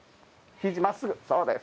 ひじまっすぐ、そうです。